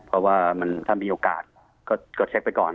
เพราะว่าถ้ามีโอกาสก็เช็คไปก่อน